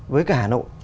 với cả hà nội